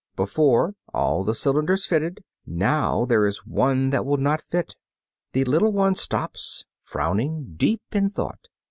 Before, all the cylinders fitted, now there is one that will not fit. The little one stops, frowning, deep in thought.